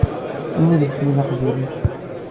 Anwa deg-sen i d aqjun-ik?